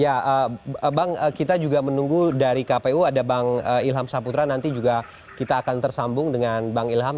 ya bang kita juga menunggu dari kpu ada bang ilham saputra nanti juga kita akan tersambung dengan bang ilham